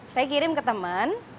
saya kirim ke teman